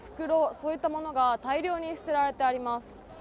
そういったものが大量に捨ててあります。